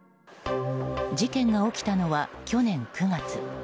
事件が起きたのは、去年９月。